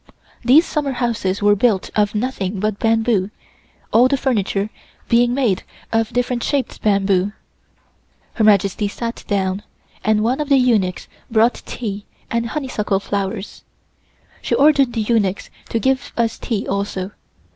These summer houses were built of nothing but bamboo, all the furniture being made of different shaped bamboo. Her Majesty sat down, and one of the eunuchs brought tea and honeysuckle flowers. She ordered the eunuchs to give us tea also.